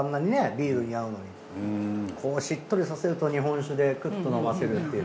ビールに合うのにこうしっとりさせると日本酒でクッと飲ませるっていう。